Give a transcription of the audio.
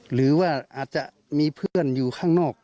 หรือว่าอาจจะมีเพื่อนอยู่ข้างนอก